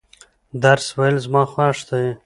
درس ویل زما خوښ دي.